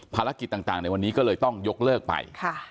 ภารกิจต่างในวันนี้ก็เลยต้องยกเลิกไป